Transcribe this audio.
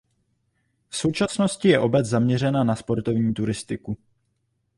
V současnosti je obec zaměřena na sportovní turistiku.